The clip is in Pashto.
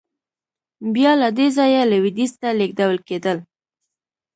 بیا له دې ځایه لوېدیځ ته لېږدول کېدل.